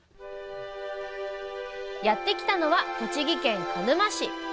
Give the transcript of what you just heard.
やって来たのは栃木県鹿沼市。